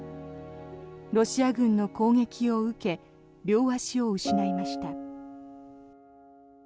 ロシア軍の攻撃を受け両足を失いました。